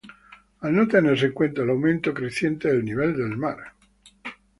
al no tenerse en cuenta el aumento creciente del nivel del mar